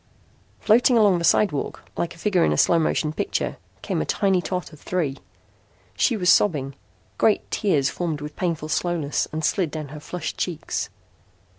Floating along the sidewalk like a figure in a slow motion picture came a tiny tot of three. She was sobbing. Great tears formed with painful slowness and slid down her flushed cheeks.